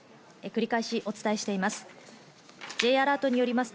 繰り返しお伝えしています。